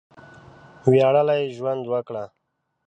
وياړلی ژوند وکړه!